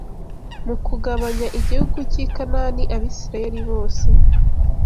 mu kugabanya igihugu cy’i Kanāni Abisirayeli bose